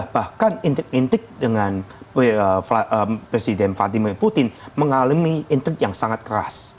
bahkan intik intik dengan presiden vladimir putin mengalami intik yang sangat keras